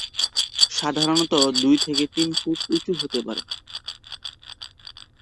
সাধারণত দুই থেকে তিন ফুট উঁচু হতে পারে।